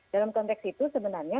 dalam konteks itu sebenarnya